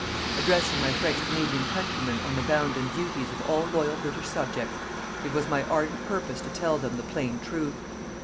Addressing my French Canadian countrymen on the bounden duties of all loyal British subjects, it was my ardent purpose to tell them the plain truth.